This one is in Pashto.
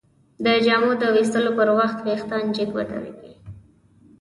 د جامو د ویستلو پر وخت وېښتان جګ ودریږي.